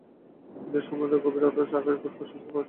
হৃদয় সমুদ্রবৎ গভীর অথচ আকাশবৎ প্রশস্ত হওয়া চাই।